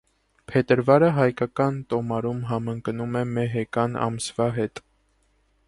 Փետրվարը հայկական տոմարում համընկնում է մեհեկան ամսվա հետ։